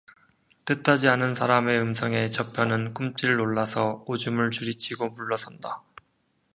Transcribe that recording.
뜻하지 않은 사람의 음성에 저편은 꿈찔 놀라서 오줌을 줄이치고 물러선다.